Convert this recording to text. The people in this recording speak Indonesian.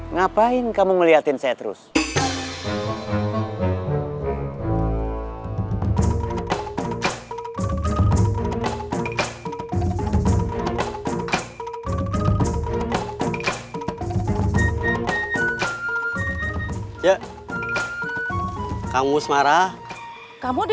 ngapain kamu ngeliatin saya terus